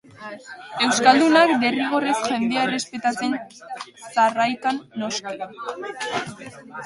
Euskaldunak derrigorrez jendea errespetatzen zarraikan noski.